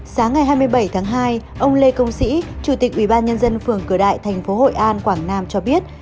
sáng ngày hai mươi bảy tháng hai ông lê công sĩ chủ tịch ubnd tp hội an quảng nam cho biết